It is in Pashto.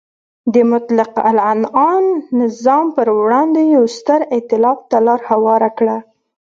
د مطلقه العنان نظام پر وړاندې یو ستر ایتلاف ته لار هواره کړه.